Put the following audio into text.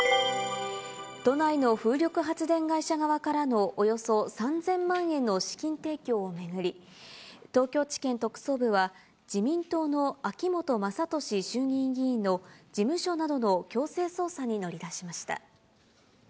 都内の風力発電会社側からのおよそ３０００万円の資金提供を巡り、東京地検特捜部は、自民党の秋本真利衆議院議員の事務所などの強制捜査に乗り出しました。